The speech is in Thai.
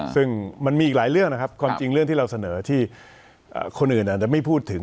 ซึ่งมันมีอีกหลายเรื่องนะครับความจริงเรื่องที่เราเสนอที่คนอื่นอาจจะไม่พูดถึง